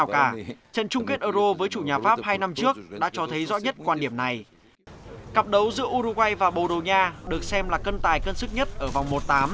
cặp đấu giữa uruguay và bồ đầu nha được xem là cân tài cân sức nhất ở vòng một tám